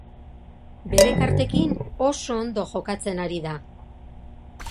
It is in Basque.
Bere kartekin oso ondo jokatzen ari da.